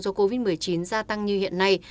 do covid một mươi chín gia tăng như hiện nay